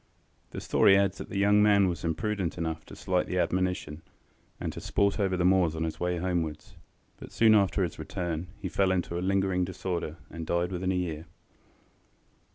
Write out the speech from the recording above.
The story adds that the young man was imprudent enough to slight the admonition, and to sport over the moors on his way homewards, but soon after his return he fell into a lingering disorder, and died within a year.